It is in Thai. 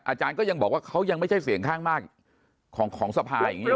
อาจารย์ก็ยังบอกว่าเขายังไม่ใช่เสียงข้างมากของสภาอย่างนี้หรอ